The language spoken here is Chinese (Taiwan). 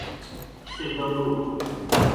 市政路